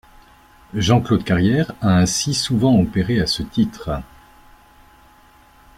Jean-Claude Carrière a ainsi souvent opéré à ce titre.